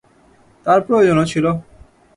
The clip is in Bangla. তার প্রয়োজনও ছিল।